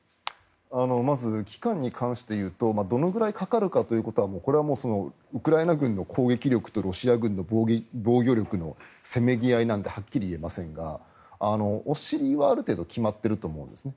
まず、期間に関していうとどのくらいかかるかというのはこれはウクライナ軍の攻撃力とロシア軍の防御力のせめぎ合いなのではっきり言えませんがお尻は、ある程度決まっていると思うんですね。